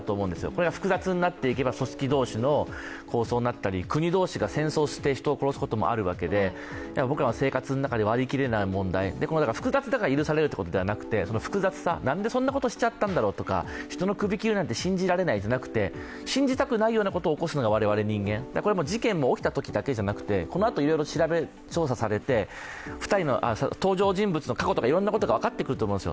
これは複雑になっていけば組織同士の抗争になったり国同士が戦争して人を殺すこともあるわけで、僕らの生活の中で割り切れない問題複雑だから許されるということではなくて、その複雑さ、何でそんなことをしちゃったんだろう、人の首を切るなんて信じられないじゃなくて信じたくないことを起こすのが我々人間、これも事件が起きたときだけではなくてこのあといろいろ調査されて、登場人物の過去とか、いろいろなことが分かってくると思うんです。